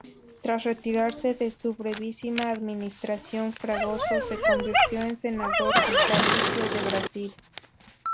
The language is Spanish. Tras retirarse de su brevísima administración Fragoso se convirtió en senador vitalicio de Brasil.